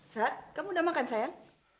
sak kamu udah makan sayang